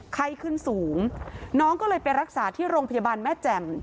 ไข้ขึ้นสูงน้องก็เลยไปรักษาที่โรงพยาบาลแม่แจ่ม